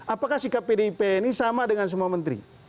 apakah sikap pdip ini sama dengan semua menteri